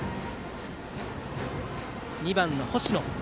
２番の星野。